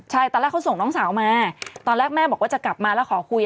ใช่ตอนแรกเขาส่งน้องสาวมาตอนแรกแม่บอกว่าจะกลับมาแล้วขอคุย